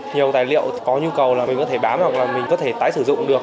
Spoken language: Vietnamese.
nhiều tài liệu có nhu cầu là mình có thể bám hoặc là mình có thể tái sử dụng được